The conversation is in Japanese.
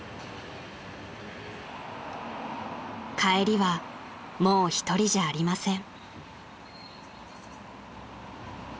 ［帰りはもうひとりじゃありません］